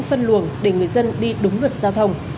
phân luồng để người dân đi đúng luật giao thông